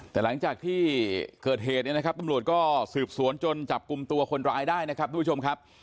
แต่หลังจากที่เกิดเหตุนี้นะครับตับตัวกลุ่มตัวคนร้ายได้นะครับทุกผู้ชมครับ